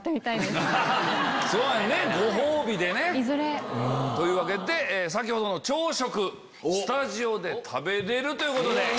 え！というわけで先ほどの朝食スタジオで食べれるということで。